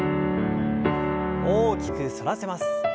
大きく反らせます。